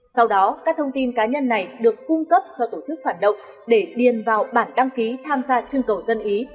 sau đó các thông tin cá nhân này được cung cấp cho tổ chức phản động để điền vào bản đăng ký tham gia chương cầu dân ý